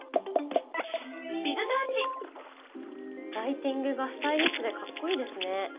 ライティングがスタイリッシュでかっこいいですね。